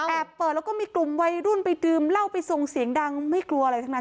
เปิดแล้วก็มีกลุ่มวัยรุ่นไปดื่มเหล้าไปส่งเสียงดังไม่กลัวอะไรทั้งนั้น